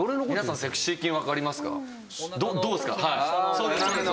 そうです。